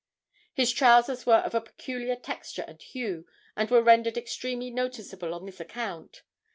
His trousers were of a peculiar texture and hue, and were rendered extremely noticeable on this account.